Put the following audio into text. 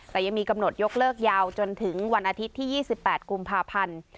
แต่ยังมีกำหนดยกเลิกยาวจนถึงวันอาทิตย์ที่๒๘กุมภาพันธ์